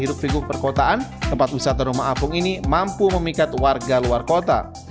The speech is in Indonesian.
terutama dari hidup vigu perkotaan tempat wisata rumah apung ini mampu memikat warga luar kota